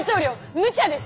むちゃです！